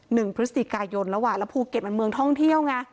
หนึ่งพฤศจิกายนแล้วอ่ะแล้วภูเก็ตมันเมืองท่องเที่ยวไง